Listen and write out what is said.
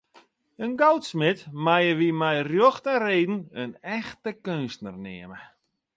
In goudsmid meie wy mei rjocht en reden in echte keunstner neame.